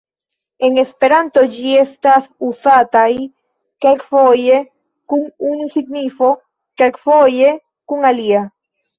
En Esperanto ĝi estas uzataj kelkfoje kun unu signifo, kelkfoje kun alia.